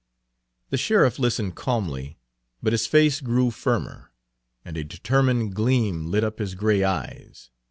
The sheriff listened calmly, but his face grew firmer, and a determined gleam lit up his gray eyes.